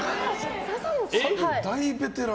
大ベテラン。